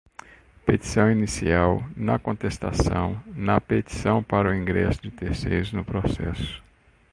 petição inicial, na contestação, na petição para ingresso de terceiro no processo